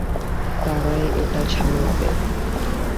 তারাই এটা সামলাবো।